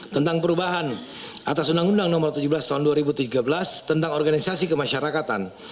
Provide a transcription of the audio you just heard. tentang perubahan atas undang undang nomor tujuh belas tahun dua ribu tiga belas tentang organisasi kemasyarakatan